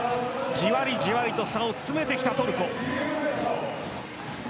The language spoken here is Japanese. じわりじわりと差を詰めてきたトルコ。